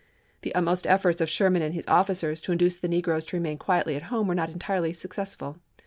The utmost efforts of Sherman and his officers to induce the negroes to remain quietly at home were not entirely successful.